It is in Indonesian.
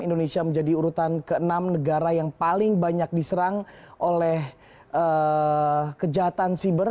indonesia menjadi urutan ke enam negara yang paling banyak diserang oleh kejahatan siber